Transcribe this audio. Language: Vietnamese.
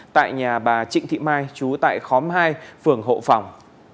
tại nhà bà trịnh thị mai trú tại khóm hai phường hộ phòng